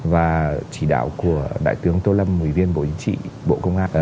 và chỉ đạo của đại tướng tô lâm ủy viên bộ y tế bộ công an